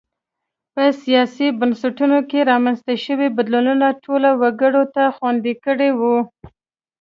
په سیاسي بنسټونو کې رامنځته شویو بدلونونو ټولو وګړو ته خوندي کړي وو.